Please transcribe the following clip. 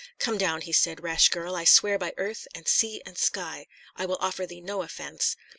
"Come down," he said, "rash girl! I swear by earth, and sea, and sky, I will offer thee no offence.